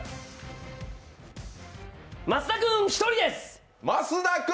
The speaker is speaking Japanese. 増田君１人です！